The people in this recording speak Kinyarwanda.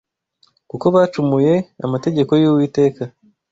Kuko bacumuye amategeko y’Uwiteka